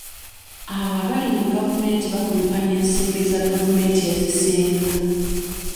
Abo abali mu gavumenti bakumpanya ensimbi za gavumenti ezisinga.